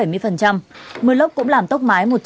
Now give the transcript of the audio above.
mưa lốc cũng làm tốc mái một trăm linh